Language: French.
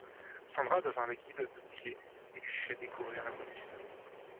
Sandra devient la guide de Vile et lui fait découvrir la grande ville.